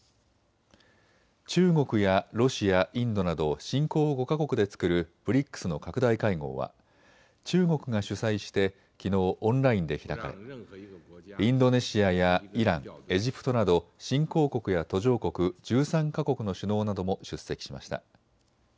中国やロシア、インドなど新興５か国で作るＢＲＩＣＳの拡大会合は中国が主催してきのうオンラインで開かれインドネシアやイラン、エジプトなど新興国や途上国１３か国の首脳なども出席しました。